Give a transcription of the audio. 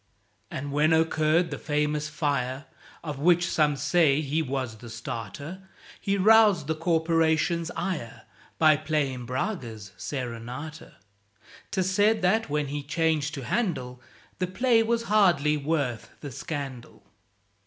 And when occurred the famous fire, Of which some say he was the starter, He roused the Corporation's ire By playing Braga's "Serenata"; ('Tis said that, when he changed to Handel, The "play was hardly worth the scandal."